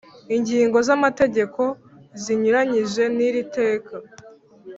ingingo z amategeko zinyuranyije n iri teka